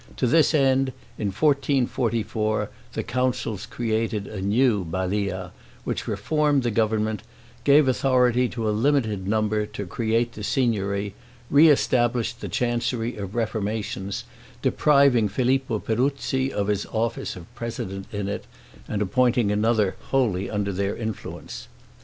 To this end, in 1444 the councils created a new Balia, which reformed the government, gave authority to a limited number to create the Signory, re established the Chancery of Reformations, depriving Filippo Peruzzi of his office of president in it, and appointing another wholly under their influence.